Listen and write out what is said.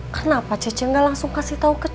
kenapa cecek ga langsung kasih tau ke cucu